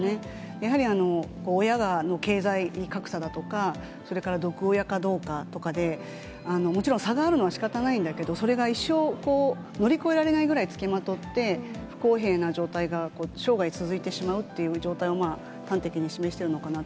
やはり親が経済格差だとか、それから、毒親かどうかとかで、もちろん差があるのはしかたないんだけど、それが一生乗り越えられないぐらいつきまとって、不公平な状態が生涯続いてしまうという状態を、端的に示しているのかなと。